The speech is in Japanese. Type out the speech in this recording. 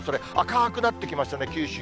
赤ーくなってきましたね、九州。